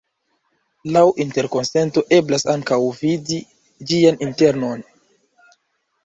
Laŭ interkonsento eblas ankaŭ vidi ĝian internon.